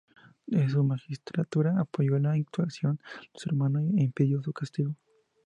Desde su magistratura apoyó la actuación de su hermano e impidió su castigo.